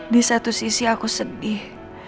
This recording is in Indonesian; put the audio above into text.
di satu sisi aku sedih